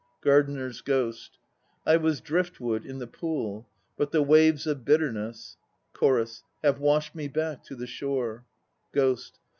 GARDENER'S GHOST. I was driftwood in the pool, but the waves of bitterness CHORUS. Have washed me back to the shore. GHOST.